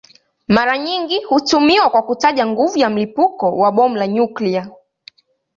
Mara nyingi hutumiwa kwa kutaja nguvu ya mlipuko wa bomu la nyuklia.